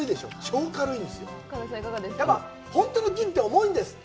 本当の金って重いんですって。